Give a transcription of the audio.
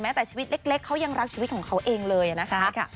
แต่ชีวิตเล็กเขายังรักชีวิตของเขาเองเลยนะคะ